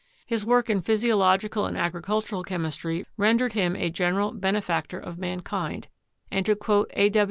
His work in physiological and agricultural chemistry rendered him a general benefactor ORGANIC CHEMISTRY 227 of mankind, and, to quote A.